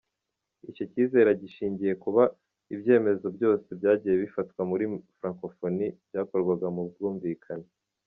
Icyo cyizere agishingiye ku kuba ibyemezo byose byagiye bifatwa muri Francophonie byakorwaga mu bwumvikane.